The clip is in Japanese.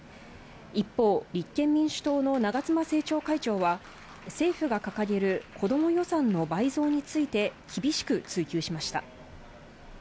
一方、立憲民主党の長妻政調会長は、政府が掲げる子ども予算の倍増について厳しく追及しました。